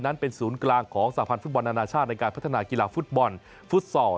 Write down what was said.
นั้นเป็นศูนย์กลางของสาพันธ์ฟุตบอลนานาชาติในการพัฒนากีฬาฟุตบอลฟุตซอล